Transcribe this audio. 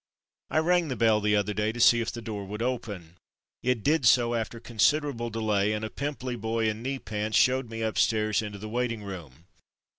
I rang the bell the other day to see if the door would open. It did so after considerable delay, and a pimply boy in knee pants showed me upstairs into the waiting room.